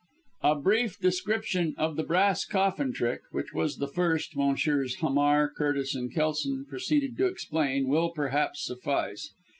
A brief description of "The Brass Coffin" trick, which was the first Messrs. Hamar, Curtis and Kelson proceeded to explain, will, perhaps, suffice.